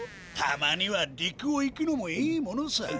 たまにはりくを行くのもいいものさ。